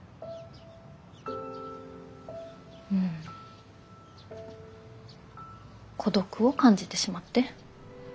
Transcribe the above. うん孤独を感じてしまって。